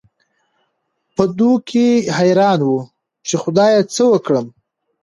په دوو کې حېران وو، چې خدايه څه وکړم؟